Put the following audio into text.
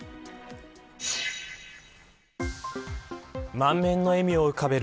満面の笑みを浮かべる